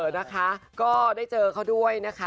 นะคะก็ได้เจอเขาด้วยนะคะ